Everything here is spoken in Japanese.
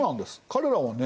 彼らはね